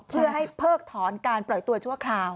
เพื่อให้เพิกถอนการปล่อยตัวชั่วคราว